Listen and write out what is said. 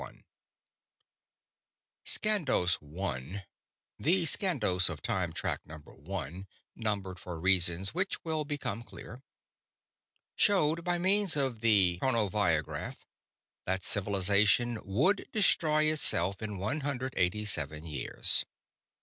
_Skandos One (The Skandos of Time Track Number One, numbered for reasons which will become clear) showed, by means of the chronoviagraph, that civilization would destroy itself in one hundred eighty seven years.